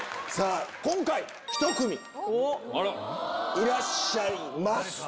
今回１組いらっしゃいます。